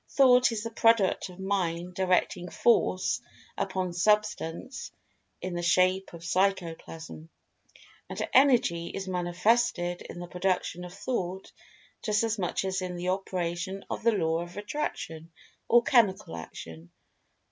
Thought is the product of Mind directing Force upon Substance in the shape of Psychoplasm. And Energy is manifested in the production of Thought just as much as in the operation of the Law of Attraction, or Chemical Action.